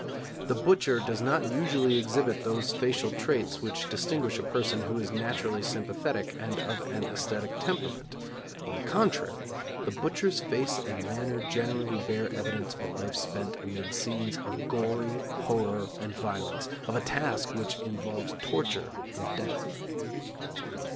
The butcher does not usually exhibit those facial traits which distinguish a person who is naturally sympathetic and of an æsthetic temperament; on the contrary, the butcher's face and manner generally bear evidence of a life spent amid scenes of gory horror and violence; of a task which involves torture and death.